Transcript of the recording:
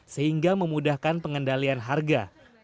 sehingga memudahkan pengendalian harga